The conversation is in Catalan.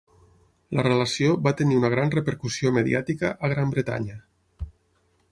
La relació va tenir una gran repercussió mediàtica a Gran Bretanya.